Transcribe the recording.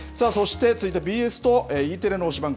続いてＢＳとＥテレの推しバン！